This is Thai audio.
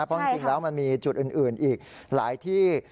เพราะจริงแล้วมันมีจุดอื่นอีกหลายที่